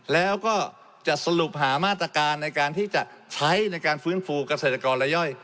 แล้วก็จะสรุปหามาตรการในการที่จะใช้ในการฟื้นฟูเกษตรกรรายย่อย